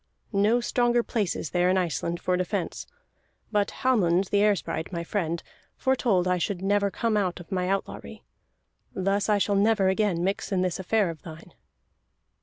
No stronger place is there in Iceland for defence. But Hallmund the Air sprite, my friend, foretold I should never come out of my outlawry. Thus I shall never again mix in this affair of thine."